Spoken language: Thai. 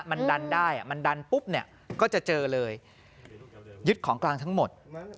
มันดันได้มันดันปุ๊บเนี่ยก็จะเจอเลยยึดของกลางทั้งหมด